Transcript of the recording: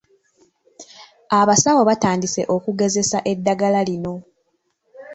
Abasawo batandise okugezesa eddagala lino.